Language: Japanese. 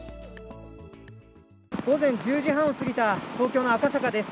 午前１０時半をすぎた、東京の赤坂です。